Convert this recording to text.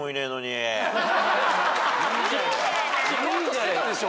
聞こうとしてたでしょ？